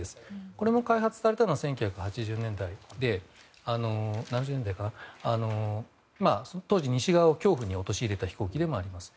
これが開発されたのは１９８０年代で当時、西側を恐怖に陥れた飛行機でもあります。